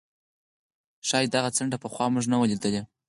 ښايي دغه څنډه پخوا موږ نه وه لیدلې.